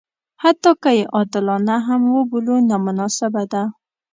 حتی که یې عادلانه هم وبولو نامناسبه ده.